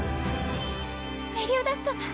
メリオダス様。